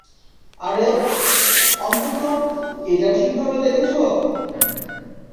আরে, অন্তত, এটা ঠিকভাবে দেখেছ?